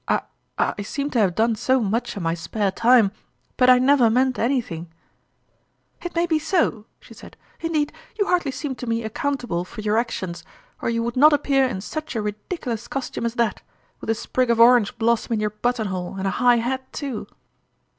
I I seem to have done so much in my spare time, but I never meant anything !"" It may be so," she said ;" indeed, you hardly seem to me accountable for your ac tions, or you would not appear in such a ridicu 72 0urmalin's &ime Cheques. lous costume as that, with a sprig of orange blossom in jour button hole and a high hat, too